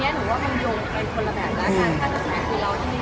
เราจึงเจอผู้หญิงที่เป็นสอนภนวะไหลธ์ดูตรงคุณภูมิ